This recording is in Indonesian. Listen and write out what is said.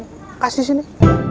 berikan ke sini